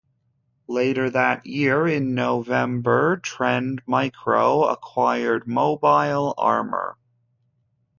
Later that year, in November, Trend Micro acquired Mobile Armor.